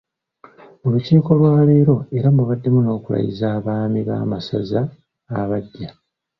Mu Lukiiko lwaleero era mubaddemu n'okulayiza abaami b'amasaza abaggya.